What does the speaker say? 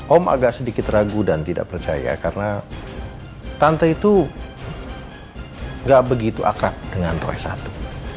om agak sedikit ragu dan tidak percaya karena tante itu gak begitu akrab dengan roy satu